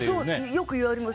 よく言われます。